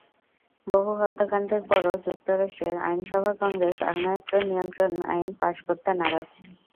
বহু হত্যাকাণ্ডের পরও যুক্তরাষ্ট্রের আইনসভা কংগ্রেস আগ্নেয়াস্ত্র নিয়ন্ত্রণ আইন পাস করতে নারাজ।